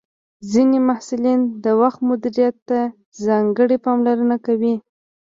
ځینې محصلین د وخت مدیریت ته ځانګړې پاملرنه کوي.